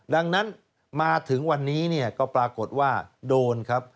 ดังนั้นมาถึงวันนี้เนี่ยก็ปรากฏว่าโดนครับ